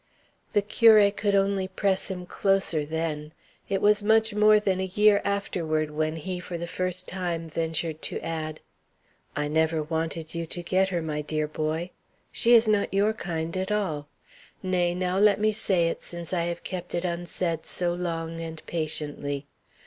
The curé could only press him closer then. It was much more than a year afterward when he for the first time ventured to add: "I never wanted you to get her, my dear boy; she is not your kind at all nay, now, let me say it, since I have kept it unsaid so long and patiently.